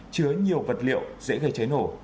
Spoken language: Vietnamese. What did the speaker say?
chứa nhiều vật liệu dễ gây cháy nổ